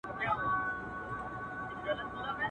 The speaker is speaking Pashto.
بل دي هم داسي قام لیدلی چي سبا نه لري؟.